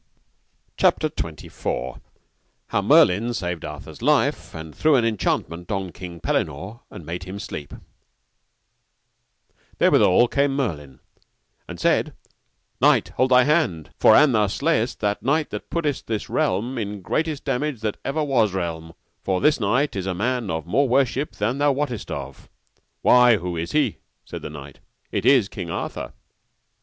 CHAPTER XXIV. How Merlin saved Arthur's life, and threw an enchantment on King Pellinore and made him to sleep. Therewithal came Merlin and said, Knight, hold thy hand, for an thou slay that knight thou puttest this realm in the greatest damage that ever was realm: for this knight is a man of more worship than thou wotest of. Why, who is he? said the knight. It is King Arthur.